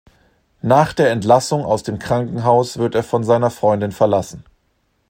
Nach der Entlassung aus dem Krankenhaus wird er von seiner Freundin verlassen.